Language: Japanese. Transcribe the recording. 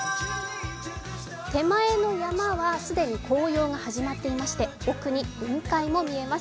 手前の山は既に紅葉が始まってまして奥に雲海も見えます。